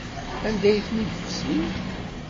Anda ay ten-id-tefsim?